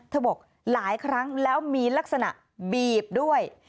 บอกหลายครั้งแล้วมีลักษณะบีบด้วย